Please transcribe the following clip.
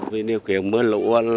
vì điều kiện mưa lũ